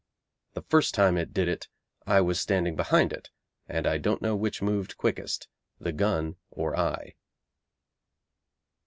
The first time it did it, I was standing behind it, and I don't know which moved quickest the gun or I.